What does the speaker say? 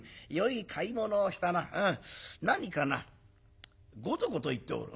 何かなゴトゴトいっておる。